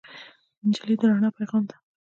نجلۍ د رڼا پېغام ده.